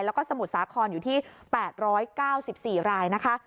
แล้วก็สมุทรสาครอยู่ที่๘๙๔รายนะคะ